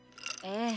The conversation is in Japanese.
ええ。